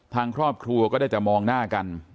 ทางครอบครัวก็ได้แต่มองหน้ากัน